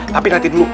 tapi nanti dulu